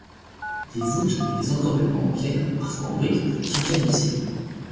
Des voûtes et des encorbellements en pierre, parfois en brique, soutiennent le ciel.